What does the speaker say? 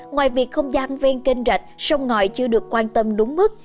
ngoài việc không gian ven kênh rạch sông ngòi chưa được quan tâm đúng mức